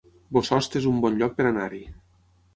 Bossòst es un bon lloc per anar-hi